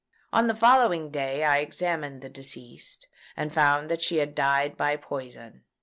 On the following day I examined the deceased, and found that she had died by poison.